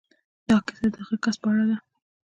دا کيسه د هغه کس په اړه ده.